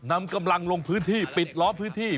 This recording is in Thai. นำกำลังลงพื้นที่ปิดล้อมพื้นที่